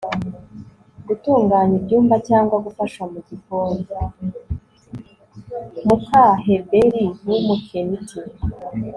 muka heberi w'umukeniti